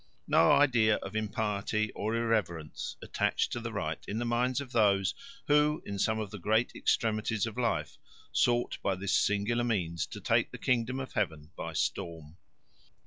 No idea of impiety or irreverence attached to the rite in the minds of those who, in some of the great extremities of life, sought by this singular means to take the kingdom of heaven by storm.